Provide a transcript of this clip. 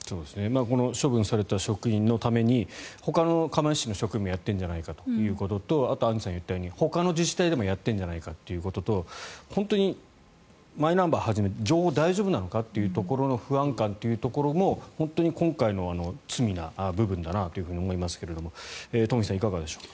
この処分された職員のためにほかの釜石市の職員もやっているんじゃないかということとあと、アンジュさんが言ったようにほかの自治体でもやってるんじゃないかということと本当にマイナンバーはじめ情報大丈夫なのかという不安感も本当に今回の罪な部分だなと思いますが東輝さん、いかがでしょう。